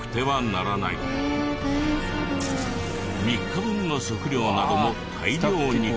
３日分の食料なども大量に。